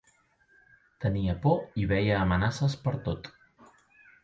Tenia por i veia amenaces pertot.